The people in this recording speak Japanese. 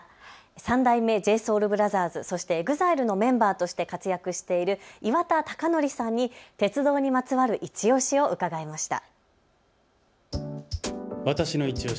三代目ＪＳＯＵＬＢＲＯＴＨＥＲＳ、そしてＥＸＩＬＥのメンバーとして活躍している岩田剛典さんに鉄道にまつわるいちオシを伺いました。